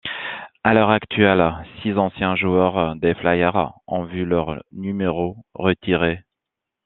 À l'heure actuelle, six anciens joueurs des Flyers ont vu leur numéro retirés.